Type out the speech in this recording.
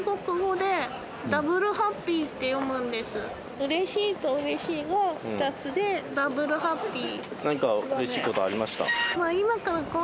「うれしい」と「うれしい」が２つでダブルハッピー。